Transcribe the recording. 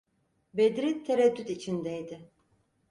Bedri tereddüt içindeydi.